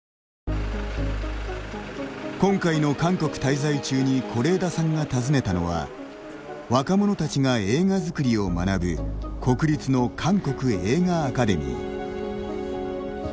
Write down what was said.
今回の韓国滞在中に是枝さんが訪ねたのは若者たちが映画作りを学ぶ国立の韓国映画アカデミー。